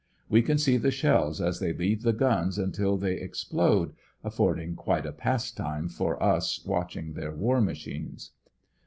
We can see the shells as they leave the ^uns until thev explode, affordiut* quite a pastime for us watching their war machines.